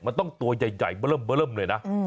มันต้องตัวใหญ่เบอร์เริ่มเลยนะ